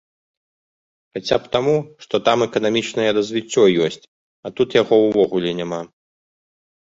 Хаця б таму, што там эканамічнае развіццё ёсць, а тут яго ўвогуле няма.